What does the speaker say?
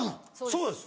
そうです